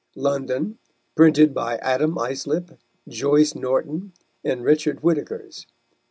London, Printed by Adam Islip, Joice Norton, and Richard Whitakers.